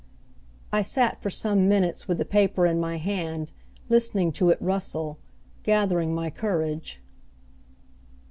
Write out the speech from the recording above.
I sat for some minutes with the paper in my hand, listening to it rustle, gathering my courage.